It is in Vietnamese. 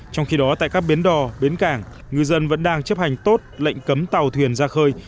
trong khi đó tại các biến đò biến cảng người dân vẫn đang chấp hành tốt lệnh cấm tàu thuyền ra khơi